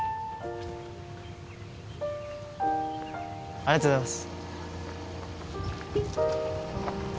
ありがとうございます。